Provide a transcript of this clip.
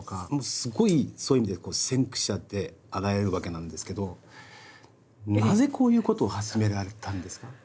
すごいそういう意味でこう先駆者であられるわけなんですけどなぜこういうことを始められたんですか？